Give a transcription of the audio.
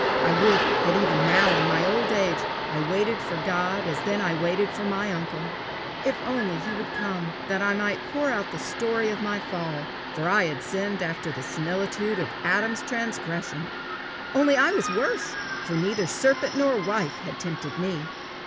I would that even now in my old age I waited for God as then I waited for my uncle! If only he would come, that I might pour out the story of my fall, for I had sinned after the similitude of Adam's transgression! only I was worse, for neither serpent nor wife had tempted me!